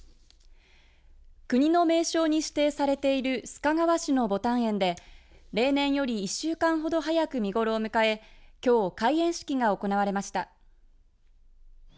国の名勝に指定されている須賀川市の牡丹園で例年より１週間ほど早く見頃を迎えきょう、開園式が行われました。